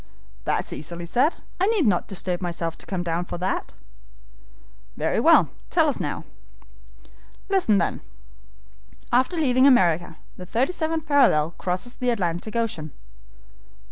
"That's easily said. I need not disturb myself to come down for that." "Very well, tell us now." "Listen, then. After leaving America the thirty seventh parallel crosses the Atlantic Ocean."